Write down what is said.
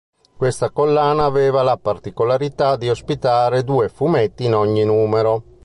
Questa collana aveva la particolarità di ospitare due fumetti in ogni numero.